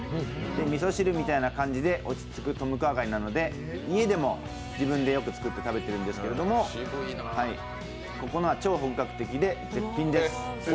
みそ汁みたいな感じで落ち着くトムカーガイなので家でも自分でよく作って食べてるんですけど、ここのは超本格的で絶品です。